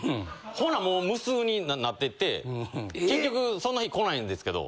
ほなもう無数になっていって結局そんな日来ないんですけど。